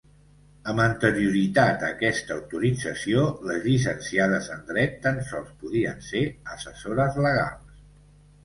Amb anterioritat a aquesta autorització, les llicenciades en dret tan sols podien ser assessores legals.